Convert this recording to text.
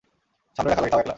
সামলে রাখা লাগে, তাও একলা।